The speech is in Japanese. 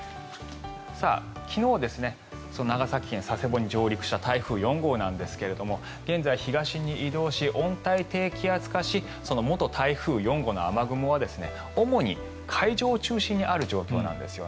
昨日、長崎県佐世保に上陸した台風４号ですが現在、東に移動し温帯低気圧化し元台風４号の雨雲は主に海上を中心にある状況なんです。